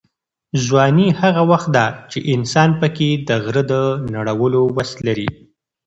ځواني هغه وخت ده چې انسان پکې د غره د نړولو وس لري.